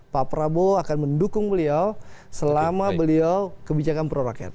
pak prabowo akan mendukung beliau selama beliau kebijakan proroket